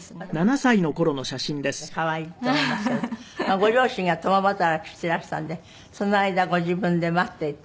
ご両親が共働きしてらしたんでその間ご自分で待っていて。